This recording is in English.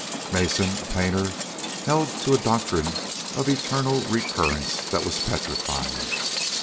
Masson, a painter, held to a doctrine of eternal recurrence that was petrifying.